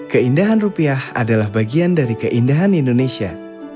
keindahan rupiah adalah bagian dari keindahan indonesia